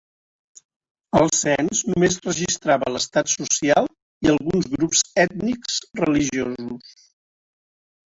El cens només registrava l'estat social i alguns grups ètnics religiosos.